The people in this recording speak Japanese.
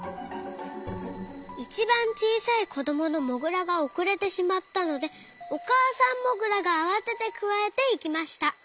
いちばんちいさいこどものモグラがおくれてしまったのでおかあさんモグラがあわててくわえていきました。